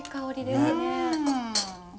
うん。